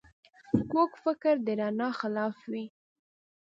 کوږ فکر د رڼا خلاف وي